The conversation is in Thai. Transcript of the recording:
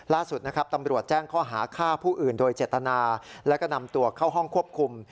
ล่าสุดนะครับตำรวจแจ้งข้อหาฆ่าผู้อื่นโดยเจตนาและก็นำตัวเข้าห้องควบคุม